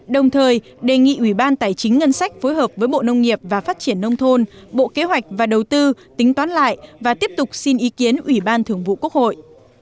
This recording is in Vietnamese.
đồng thời đề nghị ủy ban tài chính ngân sách phối hợp với bộ nông nghiệp và phát triển nông thôn bộ kế hoạch và đầu tư tính toán lại và tiếp tục xin ý kiến ủy ban thường vụ quốc hội